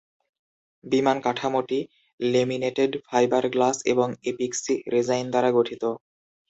বিমান কাঠামোটি laminated fibre glass এবং এপিক্সি রেসাইন দ্বারা গঠিত।